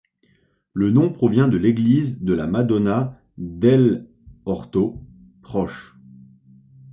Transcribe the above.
Le nom provient de l'église de la Madonna dell'Orto, proche.